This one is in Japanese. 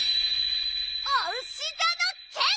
おうしざのけん！